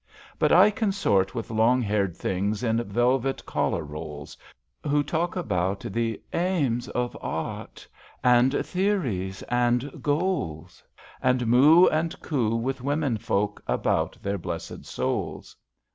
But I consort with long haired things In velvet collar rolls. Who talk about the Aims of Art, And ^^ theories " and goals," And moo and coo with women folk About their blessed souls.